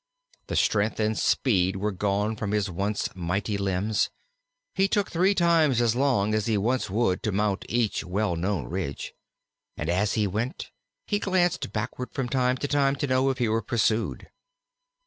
The strength and speed were gone from his once mighty limbs; he took three times as long as he once would to mount each well known ridge, and as he went he glanced backward from time to time to know if he were pursued.